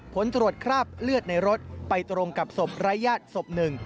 ผลตรวจคราบเลือดในรถไปตรงกับศพรายญาติศพหนึ่ง